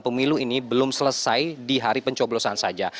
pemilu ini belum selesai di hari pencoblosan saja